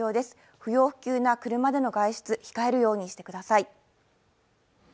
不要不急な車での外出、控えるようにしてください。